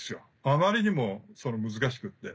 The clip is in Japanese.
あまりにも難しくって。